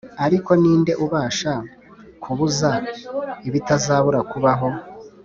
ariko ninde ubasha kubuza ibitazabura kubaho?